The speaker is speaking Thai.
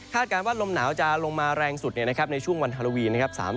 คาดการณ์ว่าลมหนาวจะลงมาแรงสุดในช่วงวันฮาร์โลวีน๓๑